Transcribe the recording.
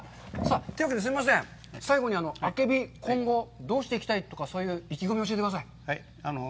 というわけで、すいません、最後に、あけび、今後どうしていきたいとか、そういう意気込みを教えてください。